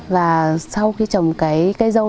và sau khi trồng cái cây râu